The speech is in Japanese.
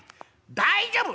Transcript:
大丈夫！